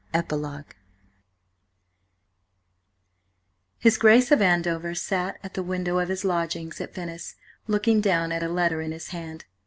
EPILOGUE HIS GRACE OF ANDOVER sat at the window of his lodgings at Venice, looking down at a letter in his hand.